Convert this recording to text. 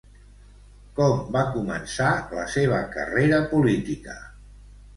Com va començar la seva carrera política?